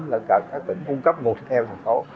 lãnh đạo các tỉnh cung cấp nguồn thịt heo thành phố